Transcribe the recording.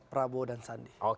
prabowo dan bang sandi